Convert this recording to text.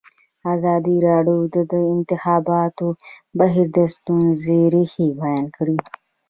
ازادي راډیو د د انتخاباتو بهیر د ستونزو رېښه بیان کړې.